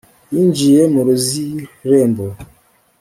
Yinjiye mu RuziIrembo